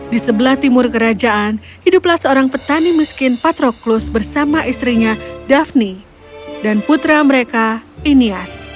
di sebelah timur kerajaan hiduplah seorang petani miskin patroklus bersama istrinya daphne dan putra mereka inias